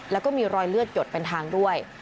แล้วก็มีรอยเลือดหยดเป็นทางด้วย